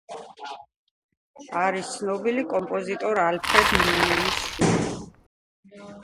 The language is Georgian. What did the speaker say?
არის ცნობილი კომპოზიტორ ალფრედ ნიუმენის შვილი.